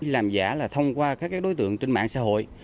làm giả là thông qua các đối tượng trên mạng xã hội